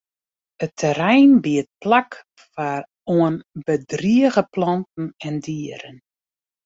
It terrein biedt plak oan bedrige planten en dieren.